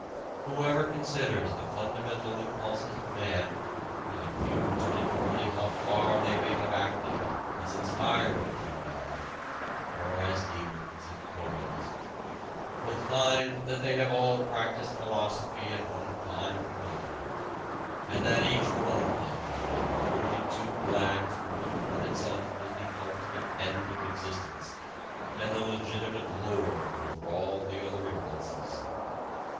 Whoever considers the fundamental impulses of man with a view to determining how far they may have acted as inspiring genii (or as demons and cobolds) will find that they have all practiced philosophy at one time or another, and that each one of them would have been only too glad to look upon itself as the ultimate end of existence and the legitimate lord over all the other impulses.